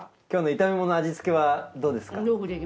今日の炒め物の味付けはどうですか？